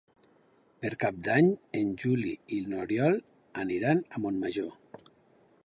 Per Cap d'Any en Juli i n'Oriol aniran a Montmajor.